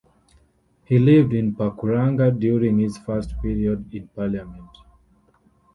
He lived in Pakuranga during his first period in parliament.